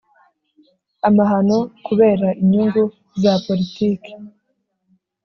amahano kubera inyungu za politiki.